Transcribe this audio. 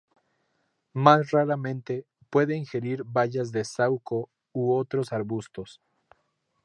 Más raramente, puede ingerir bayas de saúco u otros arbustos.